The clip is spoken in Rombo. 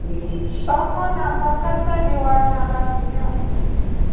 Soko na mboka saliwa na mafinyo.